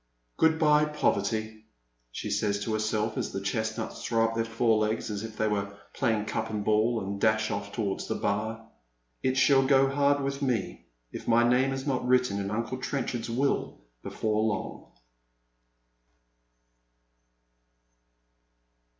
"Good bye, Poverty," she says to herself as the chestnuts throw up their fore legs as if they were playing cup and ball, and dash oi£ towards the Bar. " It shall go hard with me if my naoM is not written in Uncle Trenchard's will before long."